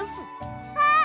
あっ！